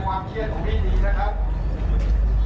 ก็ไม่รู้ว่ามีราคา